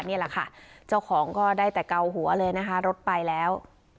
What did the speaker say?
นี่แหละค่ะเจ้าของก็ได้แต่เกาหัวเลยนะคะรถไปแล้ว